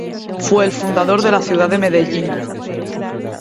Fue el fundador de la ciudad de Medellín.